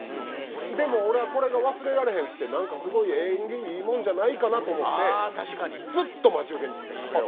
でもう俺はこれが忘れられへんくてなんかすごい縁起いいもんじゃないかなと思ってずっと待ち受けにしててんこれを。